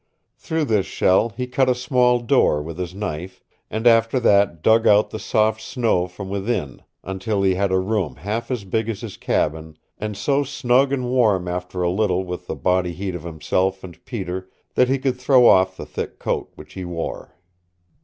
Through this shell he cut a small door with his knife, and after that dug out the soft snow from within until he had a room half as big as his cabin, and so snug and warm after a little with the body heat of himself and Peter that he could throw off the thick coat which he wore.